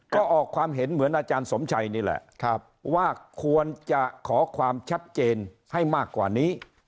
ก็ออกความเห็นเหมือนอาจารย์สมชัยนี่แหละว่าควรจะขอความชัดเจนให้มากกว่านี้